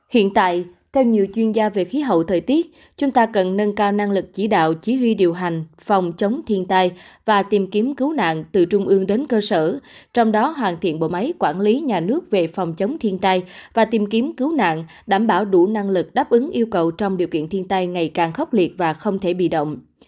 hiện tại theo nhiều chuyên gia về khí hậu thời tiết chúng ta cần nâng cao năng lực chỉ đạo chỉ huy điều hành phòng chống thiên tai và tìm kiếm cứu nạn từ trung ương đến cơ sở trong đó hoàn thiện bộ máy quản lý nhà nước về phòng chống thiên tai và tìm kiếm cứu nạn đảm bảo đủ năng lực đáp ứng yêu cầu trong điều kiện thiên tai ngày càng khốc liệt và không thể bị động